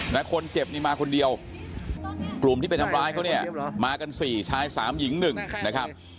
คนเจ็บนี่มาคนเดียวกลุ่มที่ไปทำร้ายเขาเนี่ยมากันสี่ชายสามหญิงหนึ่งนะครับ